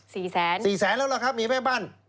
สี่แสนสี่แสนแล้วล่ะครับมีแม่บ้าน